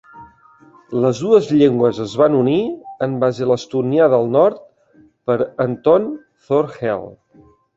Les dues llengües es van unir en base a l'estonià del nord per Anton thor Helle.